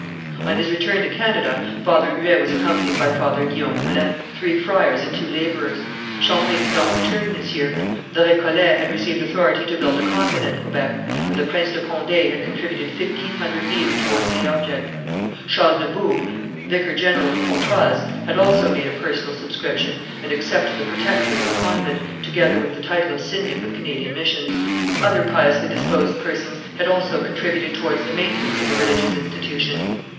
On his return to Canada Father Huet was accompanied by Father Guillaume Poullain, three friars and two labourers. Champlain did not return this year. The Récollets had received authority to build a convent at Quebec, and the Prince de Condé had contributed fifteen hundred livres towards the object. Charles de Boues, vicar general of Pontoise, had also made a personal subscription, and accepted the protectorate of the convent, together with the title of syndic of Canadian missions. Other piously disposed persons had also contributed towards the maintenance of the religious institution.